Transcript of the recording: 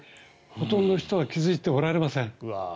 ほとんどの人が気付いておられません。